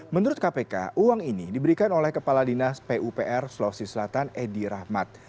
menurut kpk uang ini diberikan oleh kepala dinas pupr sulawesi selatan edi rahmat